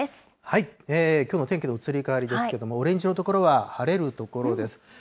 きょうの天気の移り変わりですけれども、オレンジ色の所は晴れる所です。